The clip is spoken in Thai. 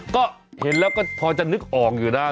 ก็เห็นแล้วก็พอจะนึกออกอยู่นะ